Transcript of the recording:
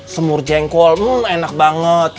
semur jengkol enak banget